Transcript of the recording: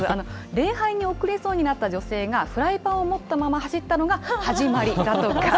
礼拝に遅れそうになった女性が、フライパンを持ったまま走ったのが始まりだとか。